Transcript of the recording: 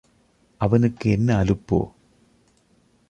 அவனுக்கு என்ன அலுப்போ?